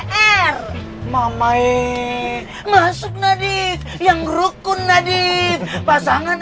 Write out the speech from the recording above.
sama peta ini kalau tidak dipaksa sama budi yang sapa juga yang berduduk sama non ipa kepala batu ini lagi ah